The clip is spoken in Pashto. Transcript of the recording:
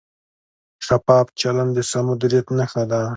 شفاف چلند د سم مدیریت نښه ده.